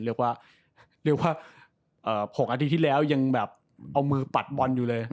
๖เดือนหนึ่งที่ลึกยังเอามือปัดบอลอยู่เลย